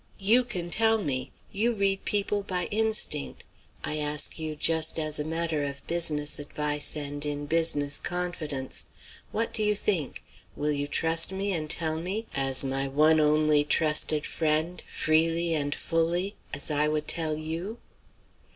You can tell me. You read people by instinct. I ask you just as a matter of business advice and in business confidence. What do you think? Will you trust me and tell me as my one only trusted friend freely and fully as I would tell you?"